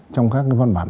trong các cái văn bản